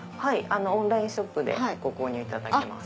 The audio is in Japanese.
オンラインショップでご購入いただけます。